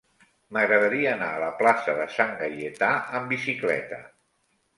M'agradaria anar a la plaça de Sant Gaietà amb bicicleta.